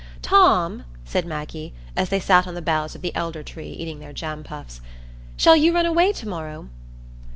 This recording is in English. "Tom," said Maggie, as they sat on the boughs of the elder tree, eating their jam puffs, "shall you run away to morrow?"